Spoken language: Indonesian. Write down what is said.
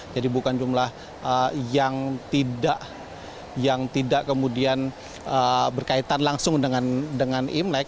jadi bukan jumlah yang tidak kemudian berkaitan langsung dengan imlek